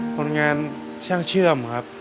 คนงานช่างเชื่อมครับ